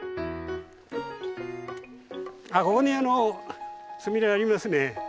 あっここにスミレありますね。